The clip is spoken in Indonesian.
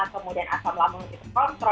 kemudian asam lambung itu dikontrol gitu ya